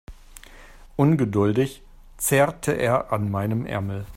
Ungeduldig zerrte er an meinem Ärmel.